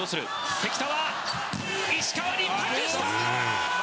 関田は石川に託したー。